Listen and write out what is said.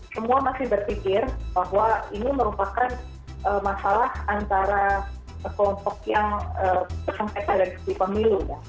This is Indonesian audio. semua masih berpikir bahwa ini merupakan masalah antara kontok yang tersengketa dari segi pemilunya